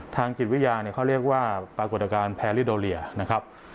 ทางจิตวิทยาเนี่ยเขาเรียกว่าปรากฏการณ์แพลิโดเรียนะครับ